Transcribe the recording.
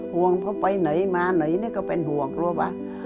ห่วงเขาไปไหนมาไหนก็เป็นห่วงแบบรู้ผ่ะ